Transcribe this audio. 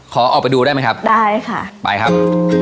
ขอออกไปดูได้ไหมครับได้ค่ะไปครับ